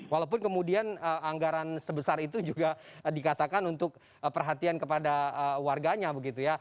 walaupun kemudian anggaran sebesar itu juga dikatakan untuk perhatian kepada warganya begitu ya